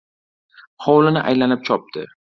Hovlini aylanib chopdi.